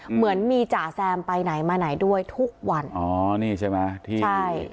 เหมือนมีจ่าแซมไปไหนมาไหนด้วยทุกวันอ๋อนี่ใช่ไหมที่ใช่